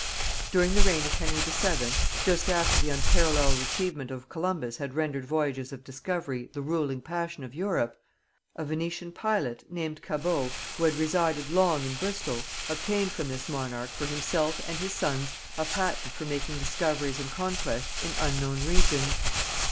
During the reign of Henry VII., just after the unparalleled achievement of Columbus had rendered voyages of discovery the ruling passion of Europe, a Venetian pilot, named Cabot, who had resided long in Bristol, obtained from this monarch for himself and his sons a patent for making discoveries and conquests in unknown regions.